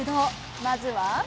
まずは。